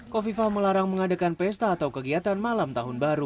kofifa melarang mengadakan pesta atau kegiatan malam tahun baru